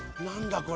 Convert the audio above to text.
何だ？